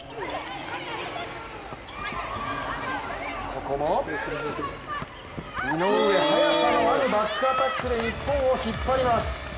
ここも井上速さのあるバックアタックで日本を引っ張ります。